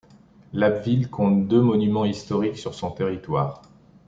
Labbeville compte deux monuments historiques sur son territoire.